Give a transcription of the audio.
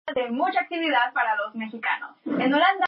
Entre ambos se despliega el valle del Ródano.